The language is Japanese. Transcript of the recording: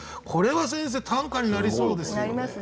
これは先生短歌になりそうですよね。